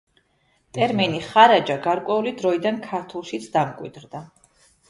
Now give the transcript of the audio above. ტერმინი ხარაჯა გარკვეული დროიდან ქართულშიც დამკვიდრდა.